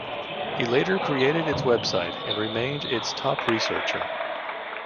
He later created its website and remained its top researcher.